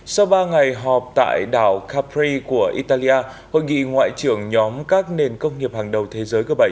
sau ba ngày họp tại đảo capri của italia hội nghị ngoại trưởng nhóm các nền công nghiệp hàng đầu thế giới g bảy